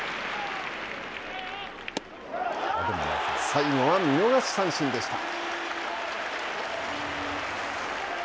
最後は見逃し三振でした。